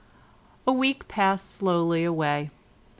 A week passed slowly away.